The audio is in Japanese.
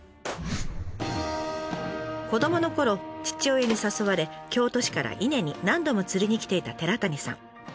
子どものころ父親に誘われ京都市から伊根に何度も釣りに来ていた寺谷さん。